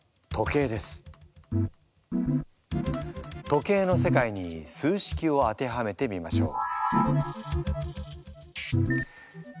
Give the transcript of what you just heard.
時計の世界に数式を当てはめてみましょう。